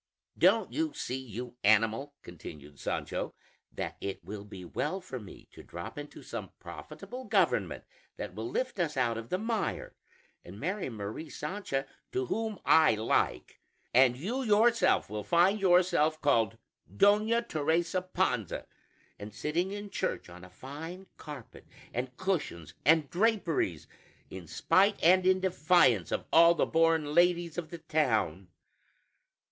"Don't you see, you animal," continued Sancho, "that it will be well for me to drop into some profitable government that will lift us out of the mire, and marry Mari Sancha to whom I like; and you yourself will find yourself called 'Doña Teresa Panza,' and sitting in church on a fine carpet and cushions and draperies, in spite and in defiance of all the born ladies of the town?